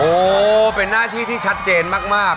โอ้เป็นหน้าที่ที่ชัดเจนมาก